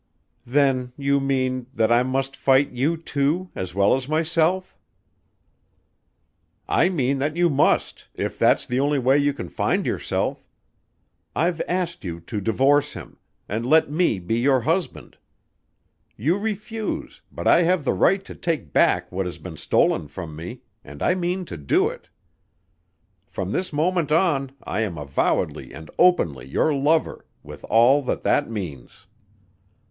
"Then you mean that I must fight you, too as well as myself?" "I mean that you must, if that's the only way you can find yourself. I've asked you to divorce him and let me be your husband. You refuse, but I have the right to take back what has been stolen from me, and I mean to do it. From this moment on I am avowedly and openly your lover with all that that means.